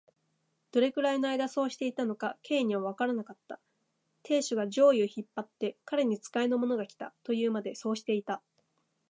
どれくらいのあいだそうしていたのか、Ｋ にはわからなかった。亭主が上衣を引っ張って、彼に使いの者がきた、というまで、そうしていた。